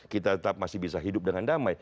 kita tetap masih bisa hidup dengan damai